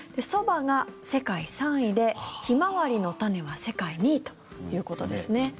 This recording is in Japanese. ソバが世界３位でヒマワリの種は世界２位ということですね。